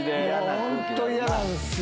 本当に嫌なんですよ。